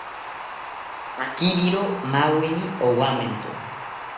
Akibiro maweni owamento